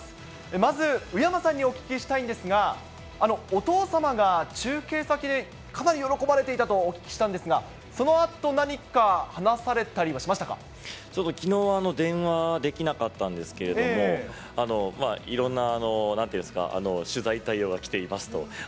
まず宇山さんにお聞きしたいんですが、お父様が中継先でかなり喜ばれていたとお聞きしたんですが、そのあと何か話されたりはしましちょっときのう、電話できなかったんですけど、いろんななんて言うんですか、取材対応が来ていますと。